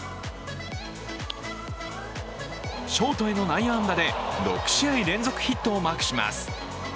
ショートへの内野安打で６試合連続ヒットをマークします。